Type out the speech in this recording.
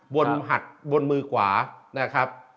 หัดบนมือขวานะครับ